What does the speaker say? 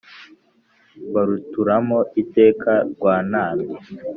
Baruturamo iteka rwantambi